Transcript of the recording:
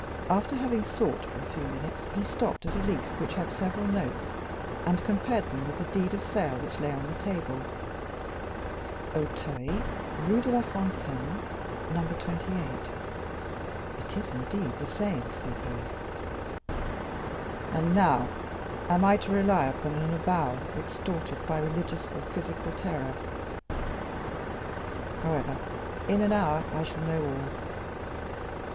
After having sought for a few minutes, he stopped at a leaf which had several notes, and compared them with the deed of sale, which lay on the table, and recalling his souvenirs— "'Auteuil, Rue de la Fontaine, No. 28;' it is indeed the same," said he; "and now, am I to rely upon an avowal extorted by religious or physical terror? However, in an hour I shall know all.